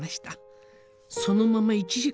そのまま１時間。